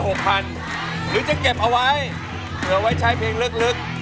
หรือจะเก็บเอาไว้เผื่อไว้ใช้เพลงลึก